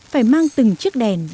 phải mang từng chiếc đèn trung thu